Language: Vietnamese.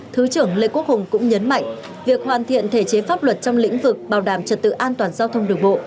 thứ trưởng lê quốc hùng cũng nhấn mạnh việc hoàn thiện thể chế pháp luật trong lĩnh vực bảo đảm trật tự an toàn giao thông đường bộ